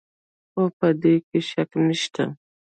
خو په دې کې شک نشته.